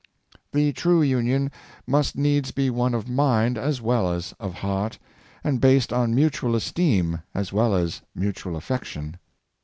The true union must needs be one of mind as well as of heart, and based on mutual esteem as well as mutual affection.